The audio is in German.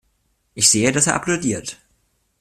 Ich sehe, dass er applaudiert.